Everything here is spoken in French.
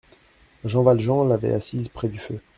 Jean Valjean l'avait assise près du feu.